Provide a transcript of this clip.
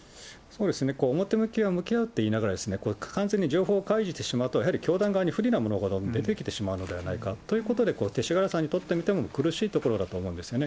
表向きは向き合うって言いながら、完全に情報を開示してしまうとやはり教団側に不利なものが出てきてしまうのではないかということで、勅使河原さんにとっても苦しいところだと思うんですよね。